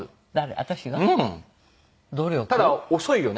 ただ遅いよね。